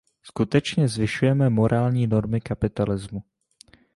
Skutečně zvyšujeme morální normy kapitalismu.